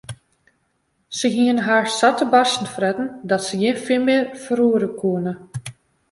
Se hiene har sa te barsten fretten dat se gjin fin mear ferroere koene.